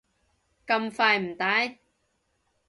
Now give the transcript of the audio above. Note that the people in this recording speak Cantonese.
咁快唔戴？